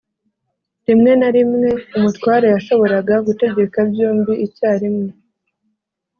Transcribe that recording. Rimwe na rimwe umutware yashoboraga gutegeka byombi icyarimwe: